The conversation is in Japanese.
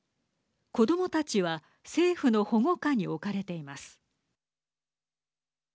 子どもたちは政府の保護下に置かれています。